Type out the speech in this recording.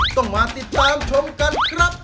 ต้องมาติดตามชมกันครับ